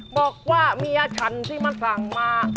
บอกว่าเมียฉันที่มาสั่งมา